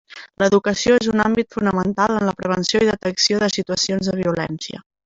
L'educació és un àmbit fonamental en la prevenció i detecció de situacions de violència.